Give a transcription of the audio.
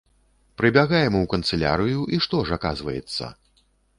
Прыбягаем у канцылярыю, і што ж аказваецца?